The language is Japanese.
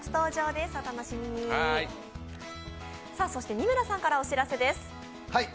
三村さんからお知らせです。